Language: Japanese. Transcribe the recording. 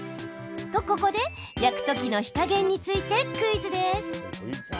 と、ここで焼く時の火加減についてクイズです。